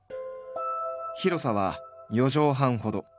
広さは４畳半ほど。